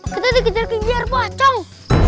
kita dikejar ke biar bocong